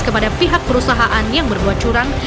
kepada pihak perusahaan yang berbuat curang